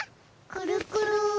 くるくる。